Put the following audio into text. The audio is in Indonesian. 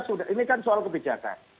sudah ini kan soal kebijakan